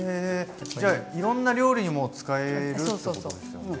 じゃあいろんな料理にも使えるってことですよね。